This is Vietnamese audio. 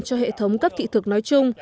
cho hệ thống cấp thị thực nói chung